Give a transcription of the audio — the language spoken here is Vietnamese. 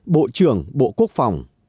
bộ trưởng bộ quốc phòng